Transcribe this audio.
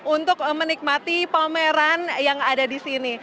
untuk menikmati pameran yang ada di sini